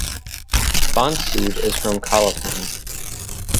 Bansud is from Calapan.